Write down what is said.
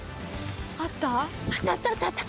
「あった？」